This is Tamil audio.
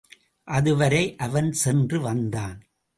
அதுவரை அவன் சென்று வந்தான்.